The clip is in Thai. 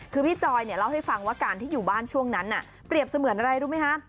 คือพี่จอยเนี่ยเล่าให้ฟังว่าการที่อยู่บ้านช่วงนั้นเปรียบเสมือนอะไรรู้ไหมคะ